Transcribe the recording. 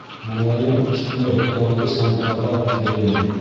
Маңлайың шундай һоҡланғыс һәм таҙа, Керея!